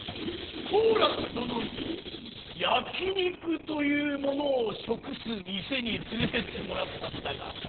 好楽殿に焼き肉というものを食す店に連れてってもらったんだが。